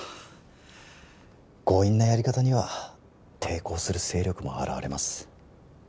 強引なやり方には抵抗する勢力も現れます